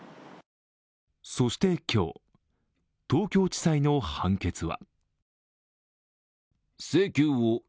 そして今日、東京地裁の判決は。